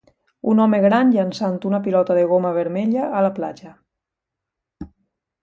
Un home gran llançant un pilota de goma vermella a la platja.